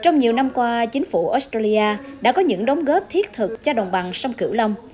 trong nhiều năm qua chính phủ australia đã có những đóng góp thiết thực cho đồng bằng sông cửu long